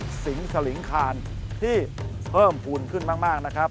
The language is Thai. สิงห์สลิงคานที่เพิ่มภูมิขึ้นมากนะครับ